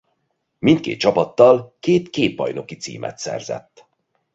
Mindkét csapattal két-két bajnoki címet szerzett.